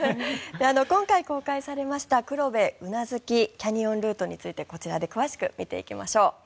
今回公開されました黒部宇奈月キャニオンルートについてこちらで詳しく見ていきましょう。